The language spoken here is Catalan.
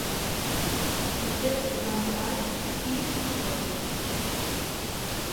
Tots ells de planta baixa, pis i golfes.